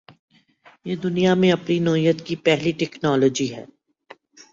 یہ دنیا میں اپنی نوعیت کی پہلی ٹکنالوجی ہے۔